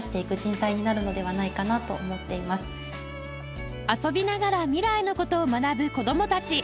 菊池さんが遊びながら未来のことを学ぶ子どもたち